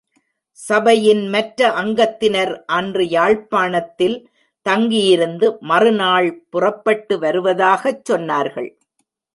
சபையின் மற்ற அங்கத்தினர் அன்று யாழ்ப்பாணததில் தங்கியிருந்து மறுநாள் புறப்பட்டு வருவதாகச் சொன்னார்கள்.